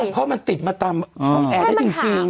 เพราะมันติดมาตามช่องแอร์ได้จริง